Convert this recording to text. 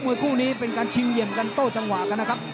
คู่นี้เป็นการชิงเหลี่ยมกันโต้จังหวะกันนะครับ